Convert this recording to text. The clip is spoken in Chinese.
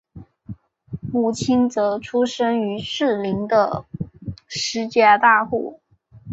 母亲则出身于士林的施家大户。